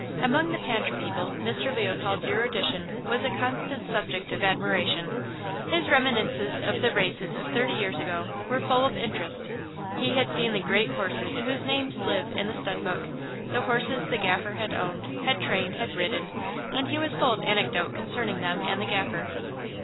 Among the pantry people Mr. Leopold's erudition was a constant subject of admiration. His reminiscences of the races of thirty years ago were full of interest; he had seen the great horses whose names live in the stud book, the horses the Gaffer had owned, had trained, had ridden, and he was full of anecdote concerning them and the Gaffer.